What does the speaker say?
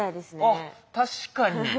あっ確かに。